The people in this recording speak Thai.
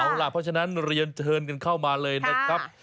เอาล่ะเพราะฉะนั้นเรียนเชิญกันเข้ามาเลยนะครับ